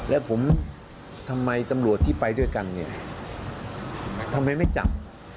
แล้วผมทำไมตำรวจที่ไปด้วยกันเนี่ยทำไมไม่จับ